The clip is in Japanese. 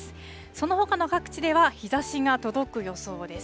そのほかの各地では、日ざしが届く予想です。